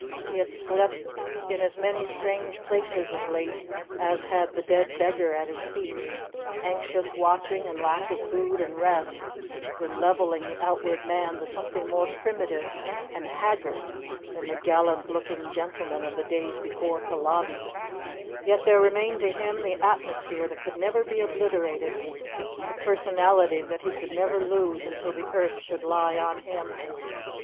He had slept in as many strange places of late as had the dead beggar at his feet; anxious watching and lack of food and rest were levelling the outward man to something more primitive and haggard than the gallant looking gentleman of the days before Culloden, yet there remained to him the atmosphere that could never be obliterated, the personality that he could never lose until the earth should lie on him.